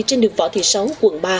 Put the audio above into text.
trên đường võ thị sáu quận ba